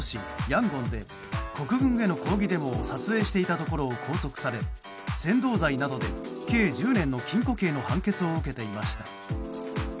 ヤンゴンで国軍への抗議デモを撮影していたところを拘束され扇動罪などで計１０年の禁固刑の判決を受けていました。